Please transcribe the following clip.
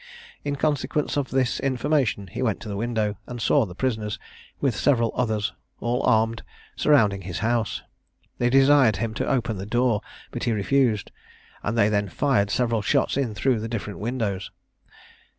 In consequence of this information he went to the window, and saw the prisoners, with several others, all armed, surrounding his house: they desired him to open the door, but he refused; and they then fired several shots in through the different windows.